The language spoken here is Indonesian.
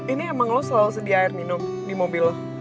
ini emang lo selalu sedia air minum di mobil